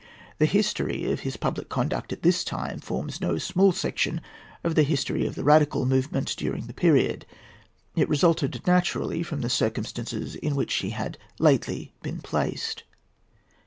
The history of his public conduct at this time forms no small section of the history of the Radical movement during the period. It resulted naturally from the circumstances in which he had lately been placed.